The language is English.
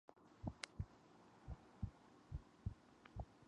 Two species were referred to "Goniopholis" from Brazil.